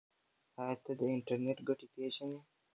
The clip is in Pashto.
ایا ته د انټرنیټ ګټې پیژنې؟